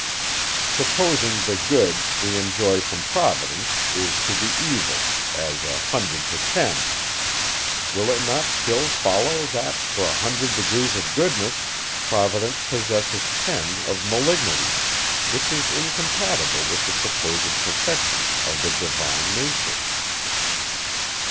Supposing the good, we enjoy from Providence, is to the evil, as a hundred to ten; will it not still follow, that, for a hundred degrees of goodness, Providence possesses ten of malignity; which is incompatible with the supposed perfection of the divine nature.